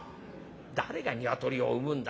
「誰がニワトリを産むんだ。